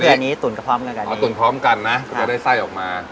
คืออันนี้ตุ๋นก็พร้อมกันอ๋อตุ๋นพร้อมกันนะจะได้ไส้ออกมา